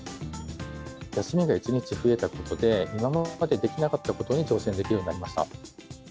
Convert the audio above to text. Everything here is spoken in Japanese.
休みが１日増えたことで、今までできなかったことに挑戦できるようになりました。